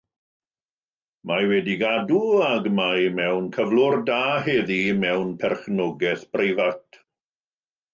Mae wedi'i gadw ac mae mewn cyflwr da heddiw mewn perchnogaeth breifat.